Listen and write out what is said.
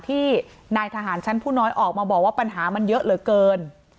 ที่นายทหารชั้นผู้น้อยออกมาบอกว่าปัญหามันเยอะเหลือเกิน